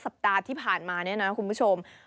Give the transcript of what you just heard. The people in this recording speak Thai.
สัปดาห์ที่ผ่านมาเนี่ยนะคุณผู้ชม